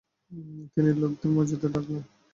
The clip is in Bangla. তিনি লোকদের মসজিদে ডাকলেন।